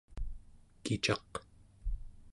kicaq